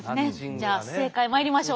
じゃあ正解まいりましょう。